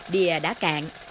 đìa đã cạn